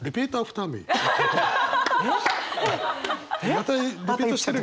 またリピートしてる。